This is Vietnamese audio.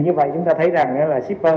như vậy chúng ta thấy rằng là shipper